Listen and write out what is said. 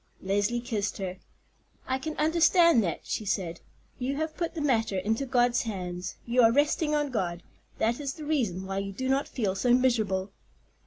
Leslie kissed her. "I can understand that," she said; "you have put the matter into God's hands—you are resting on God; that is the reason why you do not feel so miserable."